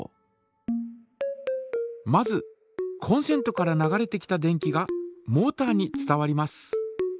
まずコンセントから流れてきた電気がモータに伝わります。